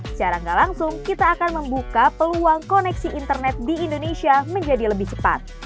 secara nggak langsung kita akan membuka peluang koneksi internet di indonesia menjadi lebih cepat